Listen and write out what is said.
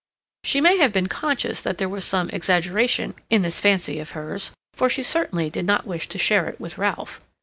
She may have been conscious that there was some exaggeration in this fancy of hers, for she certainly did not wish to share it with Ralph.